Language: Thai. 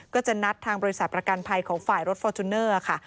ก็จะนัดทางบริษัทประกันภัยของฝ่ายรถฟอร์จูเนอร์ค่ะ